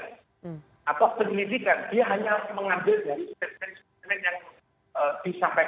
saya kira itu bisa istilah bahasanya menyesatkan proses penyidikan